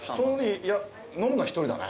いや飲むのは１人だね。